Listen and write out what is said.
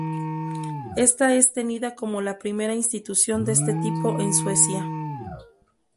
Esta es tenida como la primera institución de este tipo en Suecia.